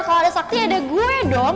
kalau ada sakti ada gue dong